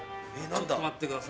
何だ？